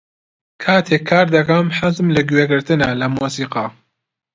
کاتێک کار دەکەم، حەزم لە گوێگرتنە لە مۆسیقا.